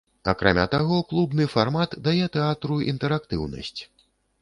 Акрамя таго, клубны фармат дае тэатру інтэрактыўнасць.